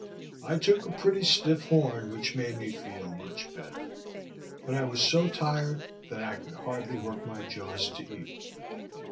I took a pretty stiff horn, which soon made me feel much better; but I was so tired that I could hardly work my jaws to eat.